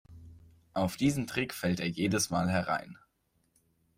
Auf diesen Trick fällt er jedes Mal herein.